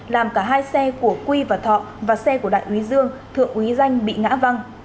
làm cả hai xe của quy và thọ và xe của đại úy dương thượng úy danh bị ngã văng